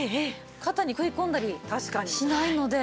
肩に食い込んだりしないので。